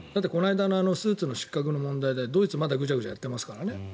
この間、スーツの失格の問題でドイツはまだぐちゃぐちゃやってますからね。